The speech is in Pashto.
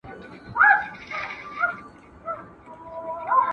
زه اجازه لرم چي مځکي ته وګورم؟!